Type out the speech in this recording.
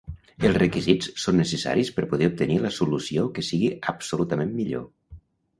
Els requisits són necessaris per poder obtenir la solució que sigui absolutament millor.